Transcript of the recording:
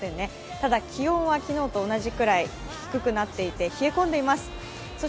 ただ気温は昨日と同じくらい低くなっていて、冷え込んでいます